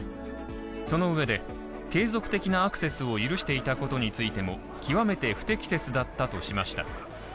その上で、継続的なアクセスを許していたことについても極めて不適切だったとしました。